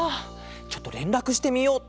ちょっとれんらくしてみよう。